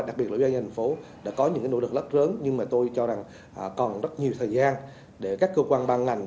đặc biệt là ubnd đã có những nỗ lực lất rớn nhưng mà tôi cho rằng còn rất nhiều thời gian để các cơ quan ban ngành